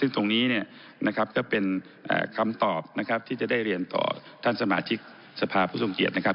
ตรงนี้นะครับก็เป็นคำตอบนะครับที่จะได้เรียนต่อท่านสมาชิกสภาพุทธวงศ์เกียรตินะครับ